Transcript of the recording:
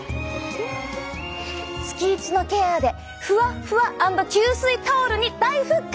月１のケアでふわふわ＆吸水タオルに大復活！